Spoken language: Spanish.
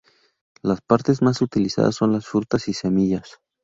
Las partes más utilizadas son las frutas y semillas.